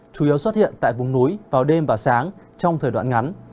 chủ yếu xuất hiện tại vùng núi vào đêm và sáng trong thời đoạn ngắn